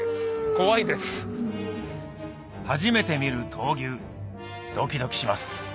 初めて見る闘牛ドキドキします